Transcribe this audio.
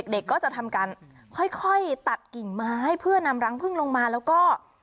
เด็กก็จะทำการค่อยตัดกิ่งไม้เพื่อนำรังพึ่งลงมาแล้วก็